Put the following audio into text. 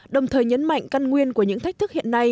đồng thời nhấn mạnh căn nguyên của những thách thức hiện nay